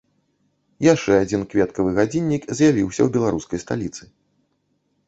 Яшчэ адзін кветкавы гадзіннік з'явіўся ў беларускай сталіцы.